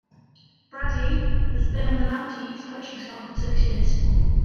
Brady has been on the Mounties coaching staff for six years.